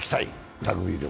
ラグビーでも。